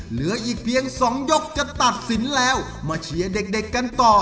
เหลืออีกเพียง๒ยกจะตัดสินแล้วมาเชียร์เด็กกันต่อ